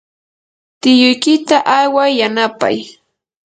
tiyuykita ayway yanapay.